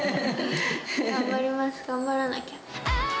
頑張ります、頑張らなきゃ。